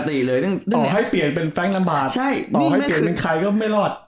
ต่อให้เปลี่ยนเป็นใครก็ไม่รอด